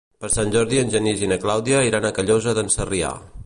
Per Sant Jordi en Genís i na Clàudia iran a Callosa d'en Sarrià.